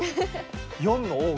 ４の王が。